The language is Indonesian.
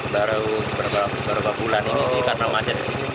baru berapa bulan ini sih karena macet